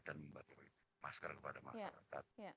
dan membagikan masker kepada masyarakat